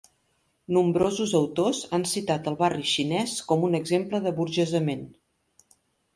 Nombrosos autors han citat el Barri Xinès com un exemple d'aburgesament.